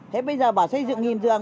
thế bây giờ bà xây dựng một nghìn giường